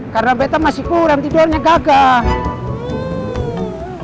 karena betta masih kurang tidurnya kakak